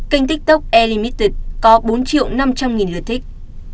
kênh tiktok e limited có bốn năm trăm linh lượt thích